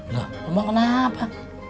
lo mau kenapa